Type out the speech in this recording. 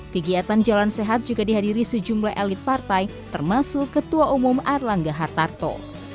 kegiatan jalan sehat juga dihadiri sejumlah elit partai termasuk ketua umum erlangga hartarto